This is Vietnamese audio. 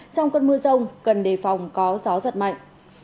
trong cơn mưa rông cần đề phòng có gió giật mạnh